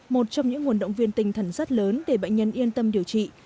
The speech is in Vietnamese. một trong những nguồn động viên tình thần rất lớn để bệnh nhân yên tâm điều trị